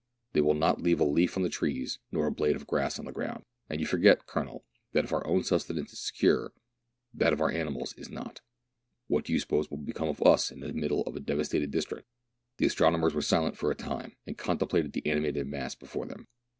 They will not leave a leaf on the trees, nor a blade of grass on the ground ; and you forget, Colonel, that if our own sustenance is secure, that of our animals is not. What do you suppose will become of us in the middle of a devas tated district?" The astronomers were silent for a time, and contemplated the animated mass before them.